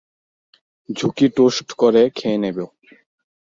ঝুঁকি টোস্ট করে খেয়ে নেব।